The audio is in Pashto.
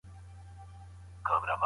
مقایسه کول د ماشوم اعتماد له منځه وړي.